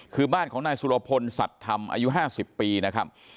คือบ้านของนายสุรพลสัตว์ธรรมอายุ๕๐ปีนะครับ